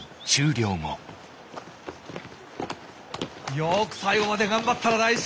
よく最後まで頑張ったな大志！